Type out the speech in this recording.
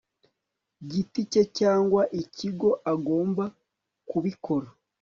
giti cye cyangwa ikigo agomba kubikora